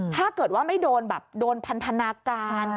ถ้าเกิดว่าไม่โดนแบบโดนพันธนาการ